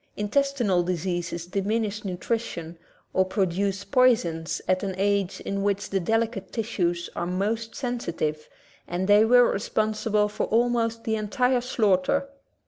Intestinal diseases diminish nutrition ^ or produce poisons at an age in which the delicate tissues are most sensitive and they were responsible for almost the entire slaughter.